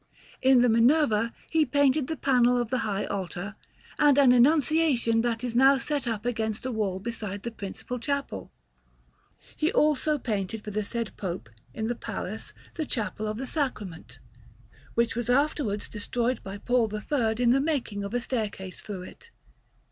In the Minerva he painted the panel of the high altar, and an Annunciation that is now set up against a wall beside the principal chapel. He also painted for the said Pope in the Palace the Chapel of the Sacrament, which was afterwards destroyed by Paul III in the making of a staircase through it.